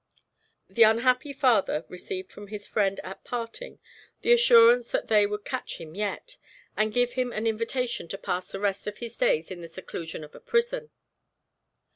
The unhappy father received from his friend at parting the assurance that they would catch him yet, and give him an invitation to pass the rest of his days in the seclusion of a prison.